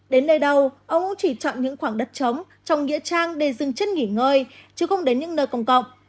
đến nơi đâu ông cũng chỉ chọn những khoảng đất trống trồng nghĩa trang để dừng chất nghỉ ngơi chứ không đến những nơi công cộng